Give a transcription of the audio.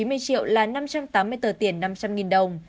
hai trăm chín mươi triệu là năm trăm tám mươi tờ tiền năm trăm linh đồng